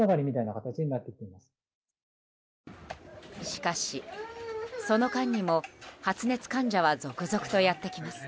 しかし、その間にも発熱患者は続々とやってきます。